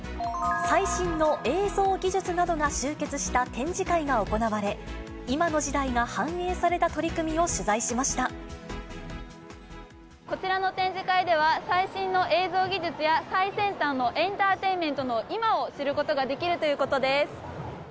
最新の映像技術などが集結した展示会が行われ、今の時代が反映さこちらの展示会では、最新の映像技術や最先端のエンターテインメントの今を知ることができるということです。